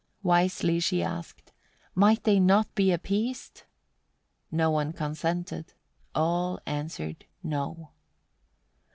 Wisely she asked: might they not be appeased? No one consented, all answered no.